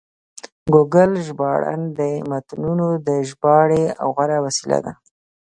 ګوګل ژباړن د متنونو د ژباړې غوره وسیله ده.